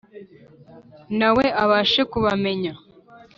nawe abashe kubamenya.